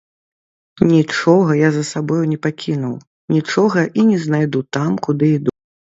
Нічога я за сабою не пакінуў, нічога і не знайду там, куды іду.